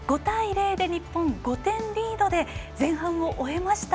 日本、５点リードで前半を終えました。